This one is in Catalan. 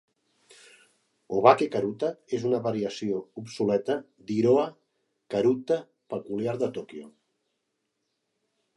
"Obake karuta" és una variació obsoleta d'Iroha Karuta peculiar de Tòquio.